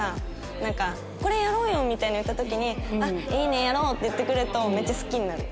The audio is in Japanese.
なんか「これやろうよ」みたいに言った時に「あっいいね！やろう」って言ってくれるとめっちゃ好きになる。